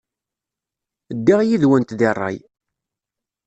Ddiɣ yid-went deg ṛṛay.